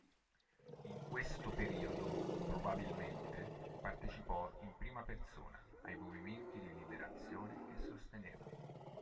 In questo periodo probabilmente partecipò in prima persona ai movimenti di liberazione che sosteneva.